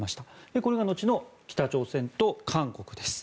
これが後の北朝鮮と韓国です。